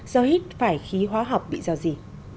do hít phải khí hóa học bị dò dì